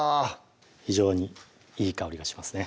非常にいい香りがしますね